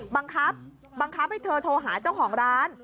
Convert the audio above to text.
บังคับบังคับให้เธอโทรหาเจ้าของร้าน